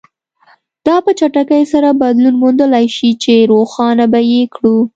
دا په چټکۍ سره بدلون موندلای شي چې روښانه به یې کړو.